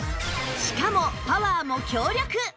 しかもパワーも強力